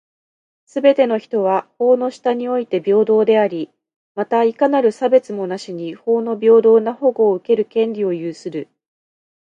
すべての人は、法の下において平等であり、また、いかなる差別もなしに法の平等な保護を受ける権利を有する。